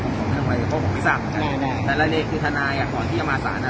เพราะผมไม่ทราบแน่นายแน่นายแต่รายเลขคือทนายอ่ะพอที่จะมาสารอ่ะ